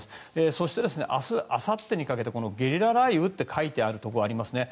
そして、明日あさってにかけてゲリラ雷雨って書いてあるところがありますね。